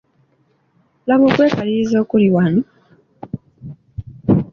Laba okwekaliriza okuli wano!